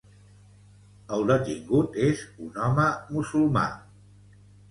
El detingut és un home musulmà.